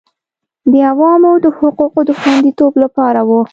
د عوامو د حقوقو د خوندیتوب لپاره وه